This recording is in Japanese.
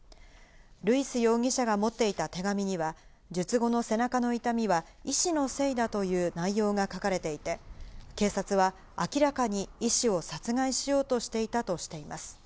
ルイス容疑者が持っていた手紙には術後の背中の痛みは医師のせいだという内容が書かれていて、警察は明らかに医師を殺害しようとしていたとしています。